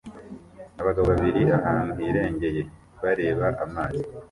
abagabo babiri ahantu hirengeye bareba amazi